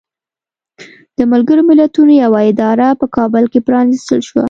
د ملګرو ملتونو یوه اداره په کابل کې پرانستل شوه.